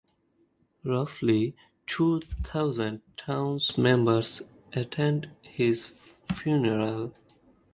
Roughly two thousand towns members attended his funeral.